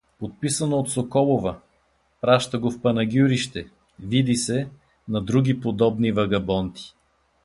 — Подписано от Соколова… праща го в Панагюрище, види се, на други подобни вагабонти.